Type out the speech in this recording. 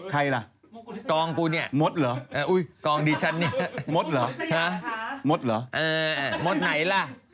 ใครละมดเหรอโอ๊ยกองดิฉันนี่เฮ้มดหรอมดไหนละ